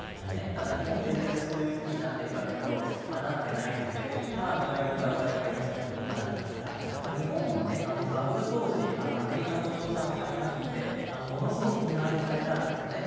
ただ、日本全体でそういう動きになっているかというとなっていないので外国からお金が入っちゃうということになるんですが日本もバブル当時、アメリカの不動産を買いまくってものすごく批判されたんですね。